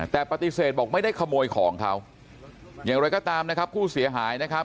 แต่ปฏิเสธบอกไม่ได้ขโมยของเขาอย่างไรก็ตามนะครับผู้เสียหายนะครับ